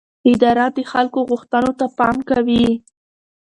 اداره د خلکو غوښتنو ته پام کوي.